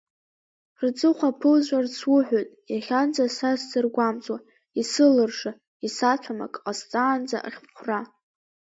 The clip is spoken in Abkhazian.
Рҵыхәа ԥуҵәарц суҳәоит, иахьанӡа са сзыргәамҵуа, исылырша, исаҭәам ак ҟасҵаанӡа ахьхәра.